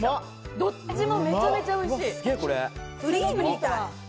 どっちもめちゃめちゃおいしい。